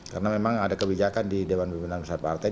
karena memang ada kebijakan di dewan pemimpinan bersat partai